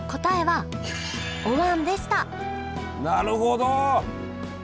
なるほど！